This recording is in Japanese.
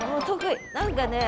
何かね